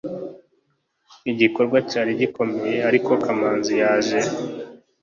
igikorwa cyari gikomeye, ariko kamanzi yaje